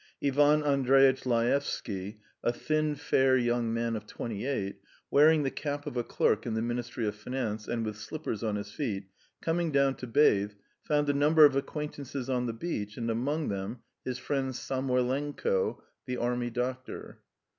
Ivan Andreitch Laevsky, a thin, fair young man of twenty eight, wearing the cap of a clerk in the Ministry of Finance and with slippers on his feet, coming down to bathe, found a number of acquaintances on the beach, and among them his friend Samoylenko, the army doctor.